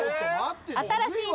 新しい